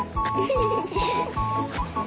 フフフフフ。